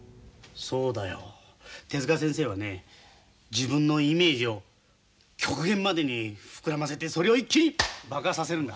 自分のイメージを極限までに膨らませてそれを一気に爆発させるんだ。